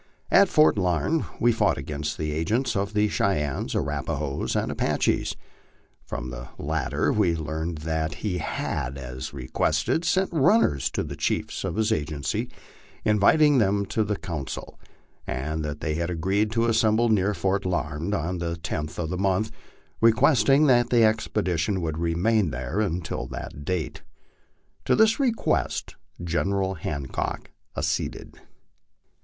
At Fort Larned we found the agent of the Cheyennes, Arapahoes, and Apaches ; from the lat ter we learned that he had, as requested, sent runners to the chiefs of his agency inviting them to the council, and that they had agreed to assemble near Fort Larned on the 10th of the month, requesting that the expedition would remain there until that date. To this request General Hancock acceded.